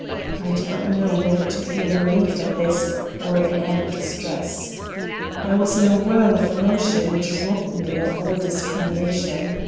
I did not know whether to feel relief at this or an added distress. I was in a whirl of emotion which robbed me of all discrimination.